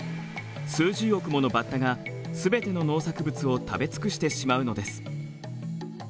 数十億ものバッタが全ての農作物を食べ尽くしてしまうのです。